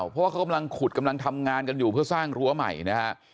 เพราะว่าเขากำลังขุดกำลังทำงานกันอยู่เพื่อสร้างรั้วใหม่นะฮะ